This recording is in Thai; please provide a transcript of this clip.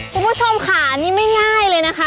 คุณผู้ชมค่ะนี่ไม่ง่ายเลยนะคะ